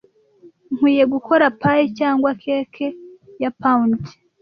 Nkwiye gukora pie cyangwa cake ya pound?